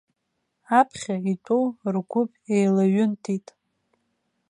Аԥхьа итәоу ргәыԥ еилаҩынтит.